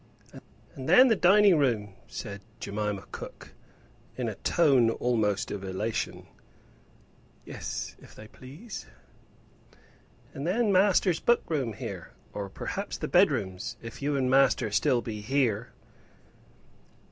"And then the dining room," said Jemima cook, in a tone almost of elation. "Yes; if they please." "And then master's book room here; or perhaps the bedrooms, if you and master be still here."